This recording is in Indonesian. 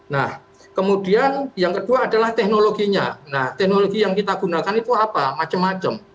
nah kemudian yang kedua adalah teknologinya nah teknologi yang kita gunakan itu apa macam macam